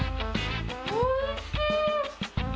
おいしい！